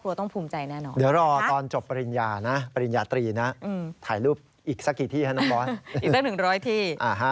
ก็ขอให้จบได้ปริญญาอีกหนึ่งใบตามไป